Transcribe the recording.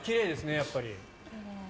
やっぱり。